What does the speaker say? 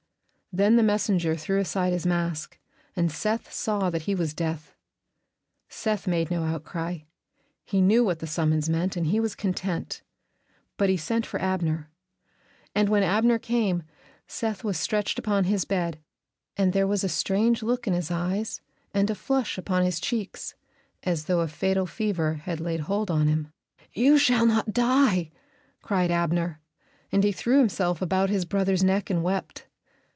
Then the messenger threw aside his mask, and Seth saw that he was Death. Seth made no outcry; he knew what the summons meant, and he was content. But he sent for Abner. And when Abner came, Seth was stretched upon his bed, and there was a strange look in his eyes and a flush upon his cheeks, as though a fatal fever had laid hold on him. "You shall not die!" cried Abner, and he threw himself about his brother's neck and wept.